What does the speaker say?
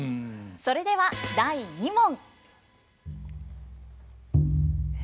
それでは第２問！